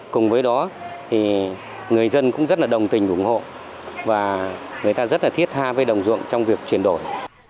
cùng với đó người dân cũng rất đồng tình ủng hộ và người ta rất thiết tha với đồng ruộng trong việc chuyển đổi